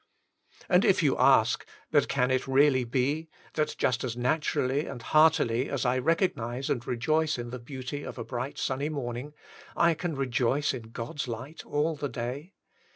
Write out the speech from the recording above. And if you ask. But can it really be, that just as naturally and heartily as I recognise and rejoice in the beauty of a bright sunny morning, I can rejoice in God's light all the day